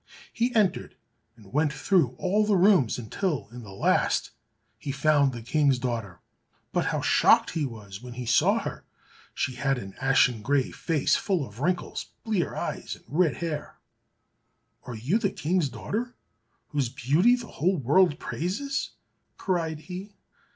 He entered and went through all the rooms, until in the last he found the King's daughter. But how shocked he was when he saw her. She had an ashen gray face full of wrinkles, blear eyes, and red hair. "Are you the King's daughter, whose beauty the whole world praises?" cried he.